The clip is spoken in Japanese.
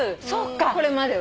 これまではね。